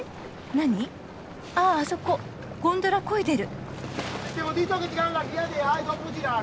ああそこゴンドラこいでる。